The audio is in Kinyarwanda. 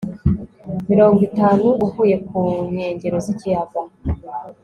mirongo itanu uvuye ku nkengero z'ikiyaga